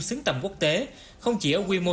xứng tầm quốc tế không chỉ ở quy mô